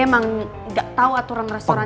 emang gak tau aturan restoran di sini